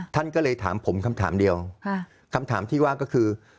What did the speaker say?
ท่านก็เลยถามผมคำถามเดียวคำถามที่ว่าก็คือ